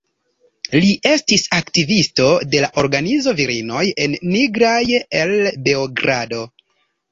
Li estis aktivisto de la organizo Virinoj en Nigraj el Beogrado.